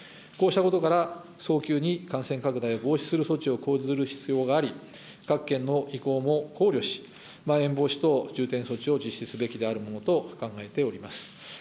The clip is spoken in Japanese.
こうしたことから、早急に感染拡大を防止する措置を講ずる必要があり、各県の意向も考慮し、まん延防止等重点措置を実施すべきであるものと考えております。